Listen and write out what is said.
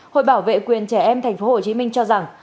hội bảo vệ quyền trẻ em tp hcm cho rằng